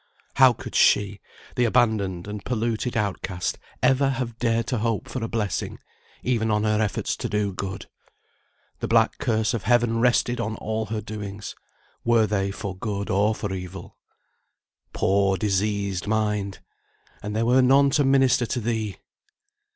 How could she, the abandoned and polluted outcast, ever have dared to hope for a blessing, even on her efforts to do good? The black curse of Heaven rested on all her doings, were they for good or for evil. Poor, diseased mind! and there were none to minister to thee!